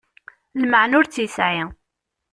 Lmeεna ur tt-yesεi.